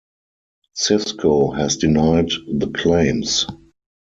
Cisco has denied the claims.